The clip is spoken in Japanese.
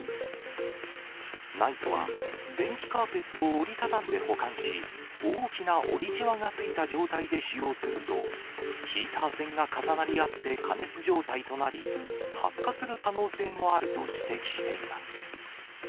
ＮＩＴＥは、電気カーペットを折り畳んで保管し、大きな折りじわがついた状態で使用すると、ヒーター線が重なり合って過熱状態となり、発火する可能性もあると指摘しています。